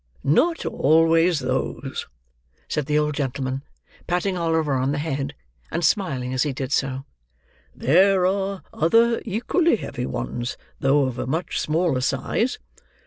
"Not always those," said the old gentleman, patting Oliver on the head, and smiling as he did so; "there are other equally heavy ones, though of a much smaller size.